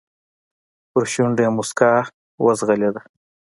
په شونډو يې موسکا وځغلېده.